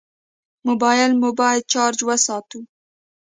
موبایل مو باید چارج وساتو.